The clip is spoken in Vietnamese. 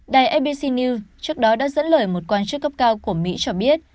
đài abc news trước đó đã dẫn lời một quan chức cấp cao của mỹ cho biết